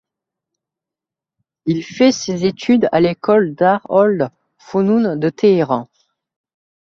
Il fait ses études à l'école Dar-ol Fonoun de Téhéran.